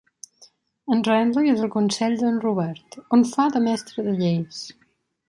En Renly és al consell d'en Robert, on fa de mestre de lleis.